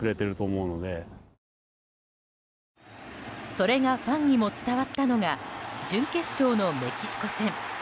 それがファンにも伝わったのが準決勝のメキシコ戦。